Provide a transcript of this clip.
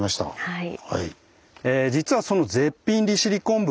はい。